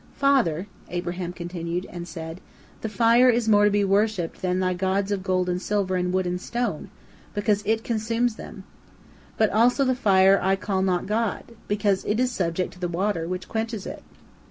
Father," Abraham continued, and said, "the fire is more to be worshipped than thy gods of gold and silver and wood and stone, because it consumes them. But also the fire I call not god, because it is subject to the water, which quenches it.